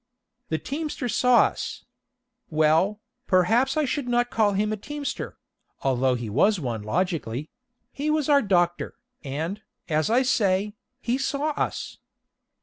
The teamster saw us. Well, perhaps I should not call him a teamster (although he was one logically): he was our doctor, and, as I say, he saw us.